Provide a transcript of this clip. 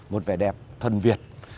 một vẻ đẹp thuần việt